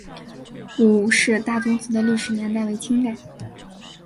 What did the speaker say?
伍氏大宗祠的历史年代为清代。